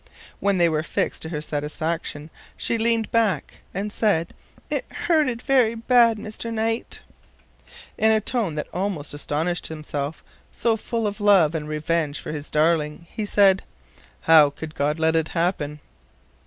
When they were fixed to her satisfaction she leaned back and said, "It hurted very bad, Mr. Knight." In a tone that almost astonished himself, so full was it of love and revenge for his darling, he said, "How could God let it happen?"